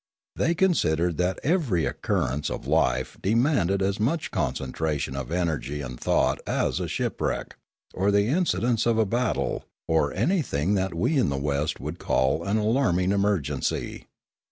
They considered that every occurrence of life demanded as much concentration of energy and thought as a shipwreck, or the incidents of a battle, or anything that we in the West would call an alarming emergency.